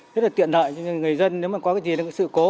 rất là tiện lợi cho người dân nếu mà có cái gì là sự cố